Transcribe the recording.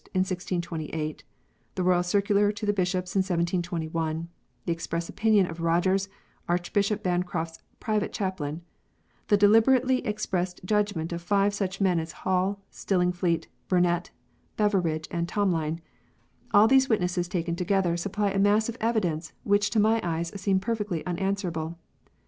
in 1628 ; the Royal Circular to the Bishops in 1721 ; the express opinion of Rogers, Archbishop Bancroft s private chaplain; the deliber ately expressed judgment of five such men as Hall, Stillingneet, Burnet, Beveridge, and Tomline, all these witnesses, taken together, supply a mass of evidence which to my eyes seem perfectly unanswerable.